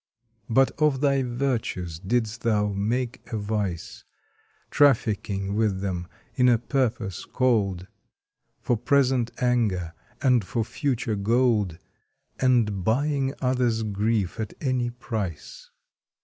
But of thy virtues didst thou make a vice, Trafficking with them in a purpose cold, For present anger, and for future gold And buying others' grief at any price.